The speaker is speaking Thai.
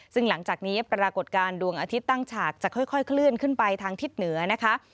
ซึ่งหลังจากนี้ปรากฏการณ์ดวงอาทิตย์ตั้งฉากจะค่อยเคลื่อนขึ้นไปทางทิศเหนือนะคะ